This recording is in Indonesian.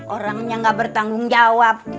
orangnya gak bertanggung jawab